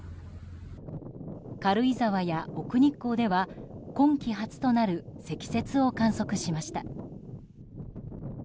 軽井沢や奥日光では今季初となる積雪を観測しました。